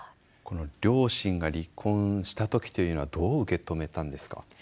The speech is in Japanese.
両親が離婚した時というのはどう受け止めたんですか？